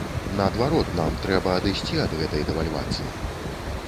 Наадварот, нам трэба адысці ад гэтай дэвальвацыі.